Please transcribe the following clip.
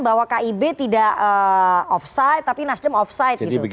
bahwa kib tidak offside